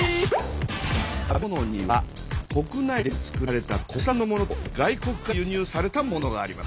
食べ物には国内で作られた国産のものと外国から輸入されたものがあります。